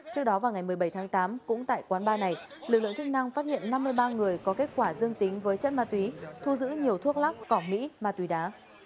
trước đó vào ngày một mươi bảy tháng tám cũng tại quán ba này lực lượng chức năng phát hiện năm mươi ba người có kết quả dương tính với chất ma túy thu giữ nhiều thuốc lắc cỏ mỹ ma túy đá